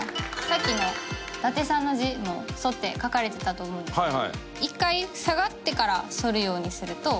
さっきの伊達さんの字も反って書かれてたと思うんですけど一回下がってから反るようにすると。